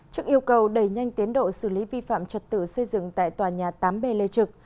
trước yêu cầu đẩy nhanh tiến độ xử lý vi phạm trật tự xây dựng tại tòa nhà tám b lê trực